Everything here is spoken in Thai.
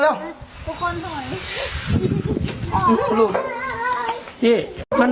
นี่เห็นจริงตอนนี้ต้องซื้อ๖วัน